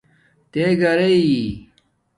تےگھرئئ